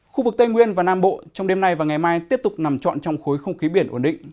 khu vực tây nguyên và nam bộ trong đêm nay và ngày mai tiếp tục nằm trọn trong khối không khí biển ổn định